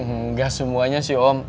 enggak semuanya sih om